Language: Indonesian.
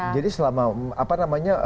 jadi selama apa namanya